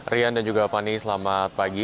rian dan juga fani selamat pagi